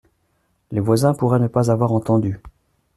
Les voisins pourraient ne pas avoir entendu.